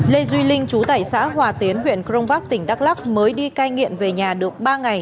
lê duy linh chú tẩy xã hòa tuyến huyện crong bắc tỉnh đắk lắc mới đi cai nghiện về nhà được ba ngày